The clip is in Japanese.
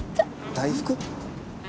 大福？